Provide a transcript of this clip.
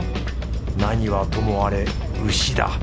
何はともあれ牛だ。